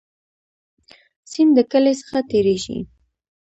سیند د کلی څخه تیریږي